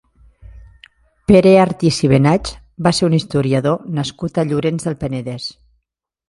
Pere Artís i Benach va ser un historiador nascut a Llorenç del Penedès.